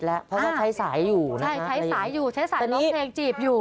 เพราะว่าใช้สายอยู่ใช้สายร้องเพลงจีบอยู่